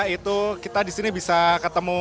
itu kita disini bisa ketemu